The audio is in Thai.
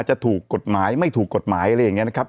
จะถูกกฎหมายไม่ถูกกฎหมายอะไรอย่างนี้นะครับ